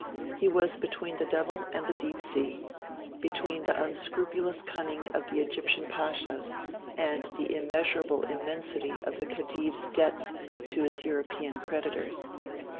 He was between the devil and the deep sea between the unscrupulous cunning of the Egyptian Pashas, and the immeasurable immensity of the Khedive's debts to his European creditors.